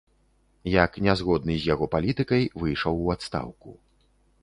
Як нязгодны з яго палітыкай, выйшаў у адстаўку.